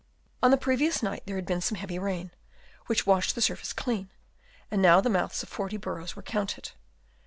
On the previous night there had been some heavy rain, which washed the surface clean, and now the mouths of forty burrows were counted.